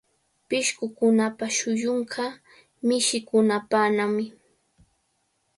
Pishqukunapa shillunqa mishikunapanawmi.